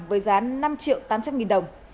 với giá năm triệu tám trăm linh nghìn đồng